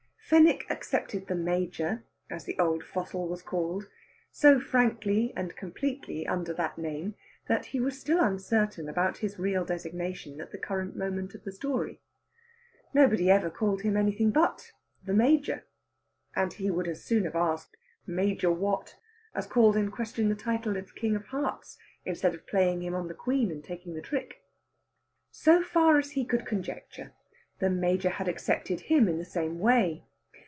Fenwick accepted "the Major," as the old fossil was called, so frankly and completely under that name that he was still uncertain about his real designation at the current moment of the story. Nobody ever called him anything but "the Major," and he would as soon have asked "Major what?" as called in question the title of the King of Hearts instead of playing him on the Queen, and taking the trick. So far as he could conjecture, the Major had accepted him in the same way.